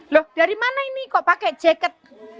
loh dari mana ini kok pakai jaket